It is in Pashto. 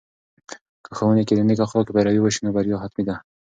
که ښوونې کې د نیکو اخلاقو پیروي وسي، نو بریا حتمي ده.